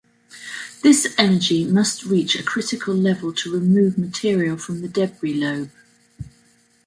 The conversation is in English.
This energy must reach a critical level to remove material from the debris lobe.